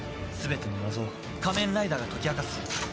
全ての謎を仮面ライダーが解き明かす